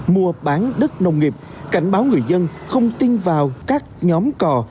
mua bán đất nông nghiệp cảnh báo người dân không tin vào các nhóm cò